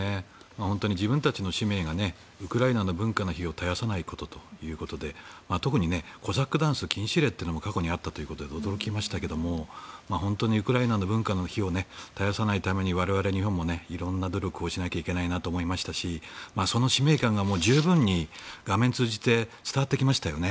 本当に自分たちの使命がウクライナの文化の灯を絶やさないということで特にコサックダンス禁止令というのも過去にあったということで驚きましたけど本当にウクライナの文化の灯を絶やさないために我々日本も色んな努力をしないといけないなと思いましたしその使命感が十分に画面を通じて伝わってきましたよね。